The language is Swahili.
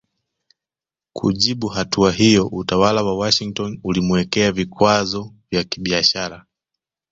Kujibu hatua hiyo utawala wa Washington ulimuwekea vikwazo vya kibiashara